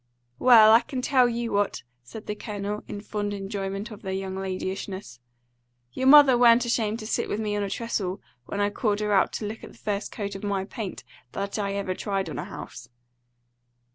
"Well, I can tell you what," said the Colonel, in fond enjoyment of their young ladyishness, "your mother wa'n't ashamed to sit with me on a trestle when I called her out to look at the first coat of my paint that I ever tried on a house."